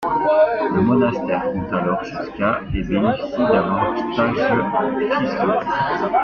Le monastère compte alors jusqu'à et bénéficie d'avantages fiscaux.